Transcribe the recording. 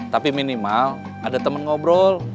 tapi minimal ada teman ngobrol